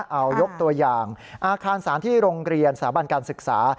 เอายกตัวอย่างอาคารสารที่โรงเรียนสถาบันการศึกษา